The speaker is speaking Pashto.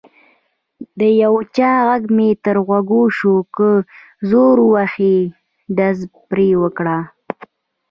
د یو چا غږ مې تر غوږ شو: که زور وهي ډز پرې وکړئ.